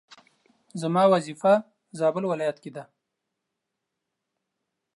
زما وظيفه زابل ولايت کي ده